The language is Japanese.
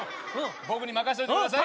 僕に任せといてくださいよ。